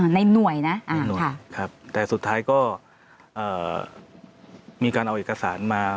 ในหน่วยนะในหน่วยครับแต่สุดท้ายก็มีการเอาเอกสารมา